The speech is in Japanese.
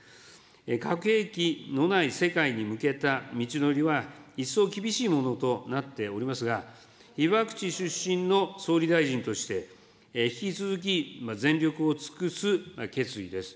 核兵器のない世界に向けた道のりは一層厳しいものとなっておりますが、被爆地出身の総理大臣として、引き続き全力を尽くす決意です。